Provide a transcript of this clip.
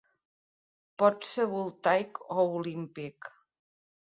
Pot ser voltaic o olímpic.